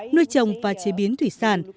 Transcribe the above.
nuôi trồng và chế biến thủy sản